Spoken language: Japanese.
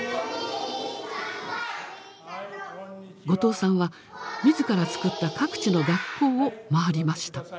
後藤さんは自らつくった各地の学校を回りました。